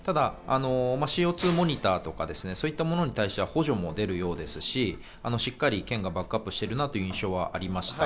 ＣＯ２モニターとか、そういったものに対しては補助も出るようですし、県がしっかりバックアップしている印象がありました。